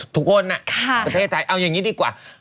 ทุกคนนะประเทศไทยเอาอย่างนี้ดีกว่า